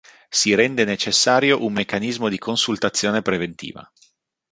Si rende necessario un meccanismo di consultazione preventiva.